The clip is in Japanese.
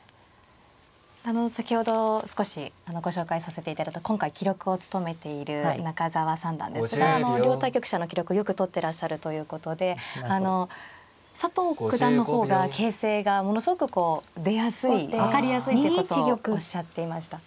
先ほど少しご紹介させていただいた今回記録を務めている中沢三段ですが両対局者の記録をよくとってらっしゃるということであの佐藤九段の方が形勢がものすごくこう出やすい分かりやすいっていうことをおっしゃっていました。